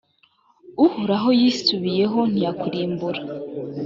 uhoraho yisubiyeho, ntiyakurimbura.